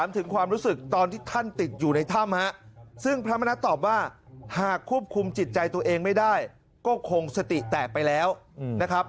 ถ้าควบคุมจิตใจตัวเองไม่ได้ก็คงสติแตกไปแล้วนะครับ